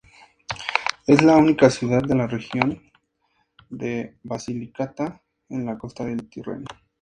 Es la única ciudad de la región de Basilicata en la costa del Tirreno.